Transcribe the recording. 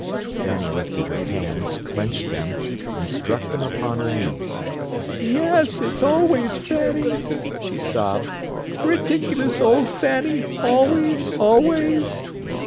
Fanny lifted her hands, clenched them, and struck them upon her knees. "Yes; it's always Fanny!" she sobbed. "Ridiculous old Fanny—always, always!"